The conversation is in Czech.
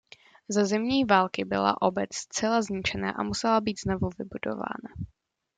Za Zimní války byla obec zcela zničena a musela být znovu vybudována.